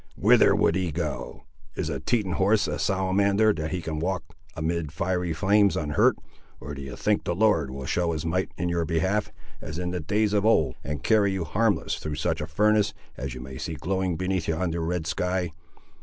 "Whither would ye go? Is a Teton horse a salamander that he can walk amid fiery flames unhurt, or do you think the Lord will show his might in your behalf, as in the days of old, and carry you harmless through such a furnace as you may see glowing beneath yonder red sky?